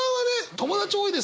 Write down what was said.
友達多いですよね！